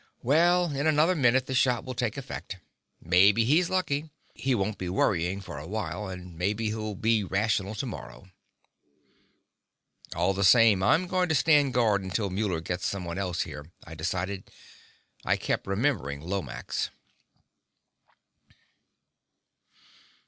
"Well, in another minute the shot will take effect. Maybe he's lucky. He won't be worrying for awhile. And maybe he'll be rational tomorrow." "All the same, I'm going to stand guard until Muller gets someone else here," I decided. I kept remembering Lomax.